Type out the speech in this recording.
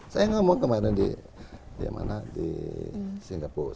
saya ngomong kemarin di singapura